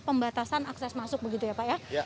pembatasan akses masuk begitu ya pak ya